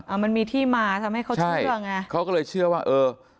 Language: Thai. อ้าวมันมีที่มาทำให้เขาเชื่อไง